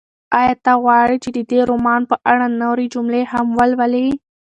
ایا ته غواړې چې د دې رومان په اړه نورې جملې هم ولولې؟